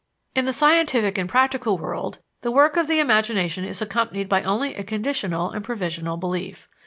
In the scientific and practical world, the work of the imagination is accompanied by only a conditional and provisional belief.